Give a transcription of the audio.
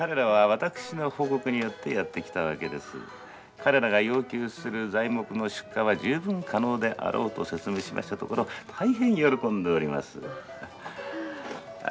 彼らが要求する材木の出荷は十分可能であろうと説明しましたところ大変喜んでおります。